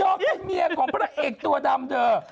เป็นเมียของพระเอกตัวดำเธอ